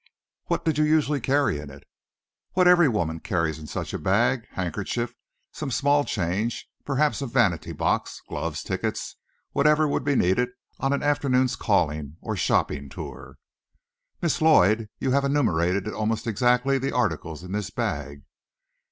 "What did you usually carry in it?" "What every woman carries in such a bag. Handkerchief, some small change, perhaps a vanity box, gloves, tickets whatever would be needed on an afternoon's calling or shopping tour." "Miss Lloyd, you have enumerated almost exactly the articles in this bag."